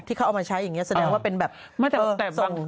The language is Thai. ที่เขาเอามาใช้อย่างนี้แสดงว่าเป็นแบบไม่แต่ส่ง